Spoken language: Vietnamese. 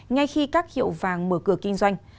ngay khi các hiệu vàng mở cửa kinh doanh